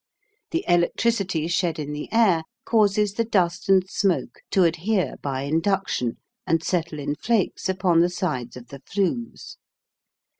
The electricity shed in the air causes the dust and smoke to adhere by induction and settle in flakes upon the sides of the flues.